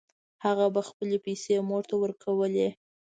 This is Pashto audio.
هغه به خپلې پیسې مور ته ورکولې